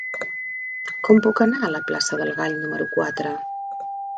Com puc anar a la plaça del Gall número quatre?